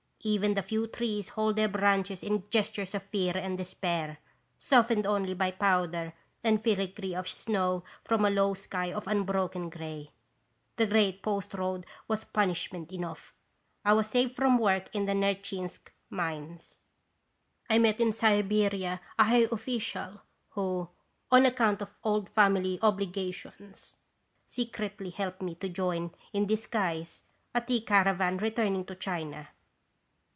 Even the few trees hold their branches in gestures of fear and despair, softened only by powder and filigree of snow from a low sky of unbroken gray. The Great Post Road was punishment enough. I was saved from work in the Nerchinsk mines. I met in Siberia a high official, who, on account of old family obligations, secretly helped me to join, in disguise, a tea caravan returning to China.